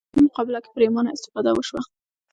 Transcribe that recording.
سیاسي مقابله کې پرېمانه استفاده وشوه